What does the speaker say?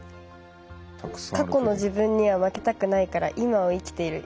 過去の自分には負けたくないから今を生きている。